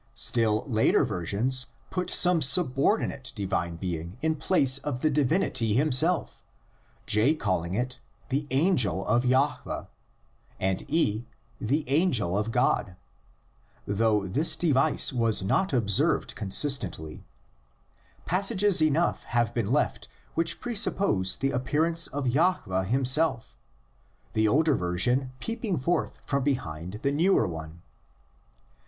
Still later versions put some subordinate divine being in place of the divinity himself, J calling it "the angel of Jahveh," and E "the angel of God," though this device was not observed consistently; passages enough have been left which presuppose the appear ance of Jahveh himself, the older version peeping forth from behind the newer one.